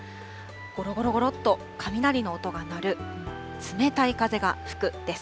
ごろごろごろっと雷の音が鳴る、冷たい風が吹くです。